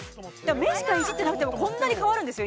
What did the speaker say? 目しかいじってなくてもこんなに変わるんですよ